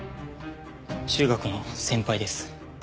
中学の先輩です。